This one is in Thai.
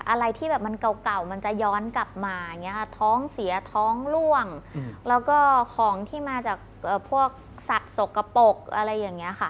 อะไรที่เก่ามันจะย้อนกลับมาท้องเสียท้องล่วงและของที่มาจากพวกสัตว์สกปลกอะไรอย่างนี้ค่ะ